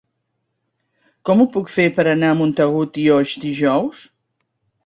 Com ho puc fer per anar a Montagut i Oix dijous?